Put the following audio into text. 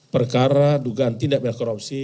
perkara dugaan tindak pindah korupsi